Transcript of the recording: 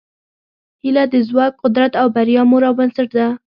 هیله د ځواک، قدرت او بریا مور او بنسټ ده.